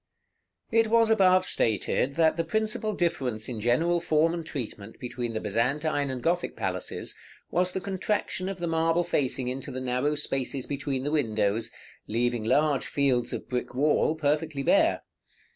§ XXV. It was above stated, that the principal difference in general form and treatment between the Byzantine and Gothic palaces was the contraction of the marble facing into the narrow spaces between the windows, leaving large fields of brick wall perfectly bare.